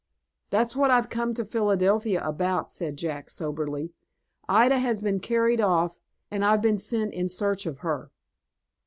"That's what I've come to Philadelphia about," said Jack, soberly. "Ida has been carried off, and I've been sent in search of her."